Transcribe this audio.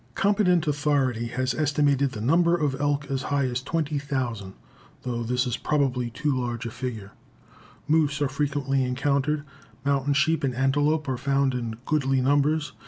Competent authority has estimated the number of elk as high as 20,000, though this is probably too large a figure. Moose are frequently encountered. Mountain sheep and antelope are found in goodly numbers.